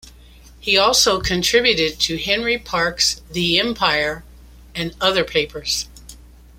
He also contributed to Henry Parkes' "The Empire" and other papers.